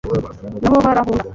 na bo barahunga